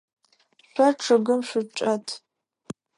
Шъо чъыгым шъучӏэт.